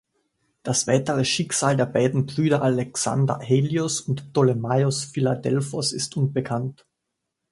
Das weitere Schicksal der beiden Brüder Alexander Helios und Ptolemaios Philadelphos ist unbekannt.